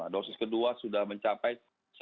dosis kedua sudah mencapai